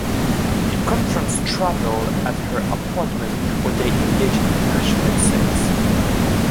He confronts Tramell at her apartment where they engage in passionate sex.